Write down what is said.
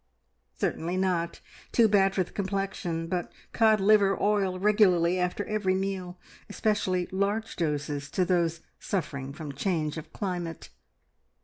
"Certainly not! Too bad for the complexion, but cod liver oil regularly after every meal. Especially large doses to those suffering from change of climate!"